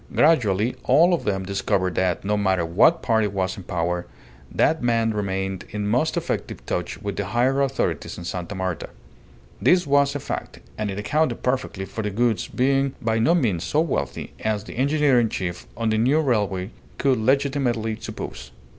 Gradually all of them discovered that, no matter what party was in power, that man remained in most effective touch with the higher authorities in Sta. Marta. This was a fact, and it accounted perfectly for the Goulds being by no means so wealthy as the engineer in chief on the new railway could legitimately suppose.